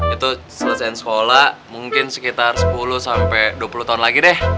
itu selesaiin sekolah mungkin sekitar sepuluh sampai dua puluh tahun lagi deh